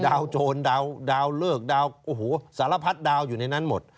โจรดาวเลิกดาวโอ้โหสารพัดดาวอยู่ในนั้นหมด